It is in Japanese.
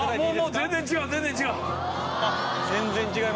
全然違う全然違う。